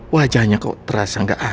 bapanya waktu sementara